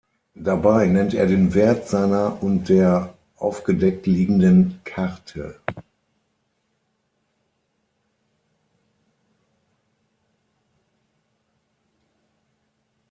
Dabei nennt er den Wert seiner und der aufgedeckt liegenden Karte.